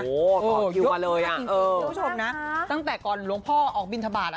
โอ้ขอคิวมาเลยนะครับคุณผู้ชมนะตั้งแต่ก่อนหลวงพ่อออกบินทะบาท